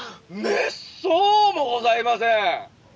「めっそうもございません！」。